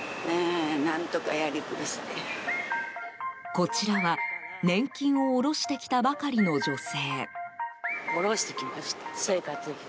こちらは、年金を下ろしてきたばかりの女性。